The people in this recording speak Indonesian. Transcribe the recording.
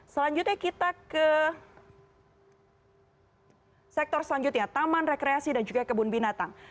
selanjutnya kita ke sektor selanjutnya taman rekreasi dan juga kebun binatang